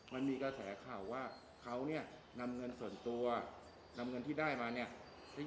มันมีกระแสข่าวว่าเขาเนี่ยนำเงินส่วนตัวนำเงินที่ได้มาเนี่ย